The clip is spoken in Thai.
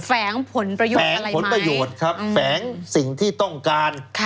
แฝงผลประโยชน์แฝงผลประโยชน์ครับแฝงสิ่งที่ต้องการ